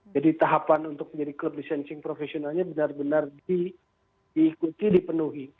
jadi tahapan untuk menjadi klub licensing professionalnya benar benar diikuti dipenuhi